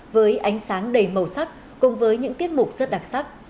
với ánh sáng đầy màu sắc cùng với những tiết mục rất đặc sắc